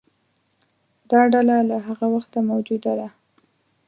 دا ډله له هغه وخته موجوده ده.